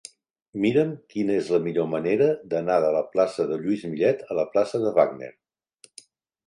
Mira'm quina és la millor manera d'anar de la plaça de Lluís Millet a la plaça de Wagner.